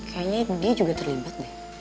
kayaknya dia juga terlibat deh